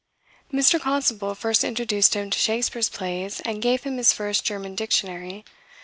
Mr. Constable first introduced him to Shakspeare's plays, and gave him his first German dictionary.